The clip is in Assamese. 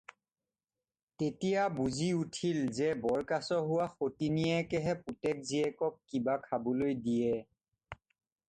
তেতিয়া বুজি উঠিল যে বৰকাছ হোৱা সতিনীয়েকেহে পুতেক-জীয়েকক কিবা খাবলৈ দিয়ে।